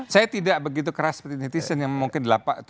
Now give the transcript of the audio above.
saya tidak begitu keras seperti netizen yang mungkin tujuh puluh delapan puluh